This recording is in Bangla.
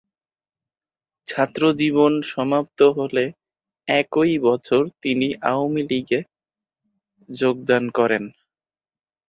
ছাত্রজীবন সমাপ্ত হলে একই বছর তিনি আওয়ামী লীগে যোগদান করেন।